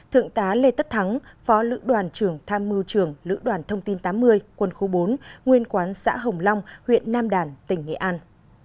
hai thượng tá lê tất thắng phó lữ đoàn trưởng tham mưu trưởng lữ đoàn thông tin tám mươi quân khu bốn nguyên quán xã hồng long huyện nam đàn tỉnh nghệ an